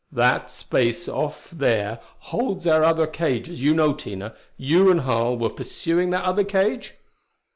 "That space off there holds our other cage as you know, Tina. You and Harl were pursuing that other cage?"